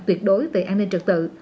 tuyệt đối về an ninh trật tự